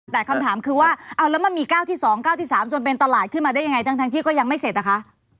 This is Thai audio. แต่คำถามคือว่าเอาแล้วมันมี๙ที่๒๙ที่๓จนเป็นตลาดขึ้นมาได้ยังไงทั้งที่ก็ยังไม่เสร็จนะคะ